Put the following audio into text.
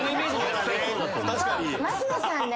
升野さんね。